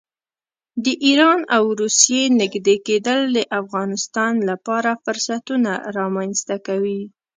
د ایران او روسیې نږدې کېدل د افغانستان لپاره فرصتونه رامنځته کوي.